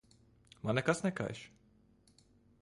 Man nekas nekaiš.